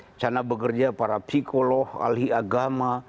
di sana bekerja para psikolog alhi agama